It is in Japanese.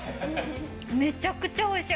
めちゃくちゃおいしい。